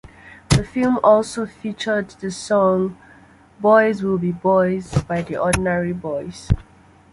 The film also featured the song "Boys Will Be Boys" by The Ordinary Boys.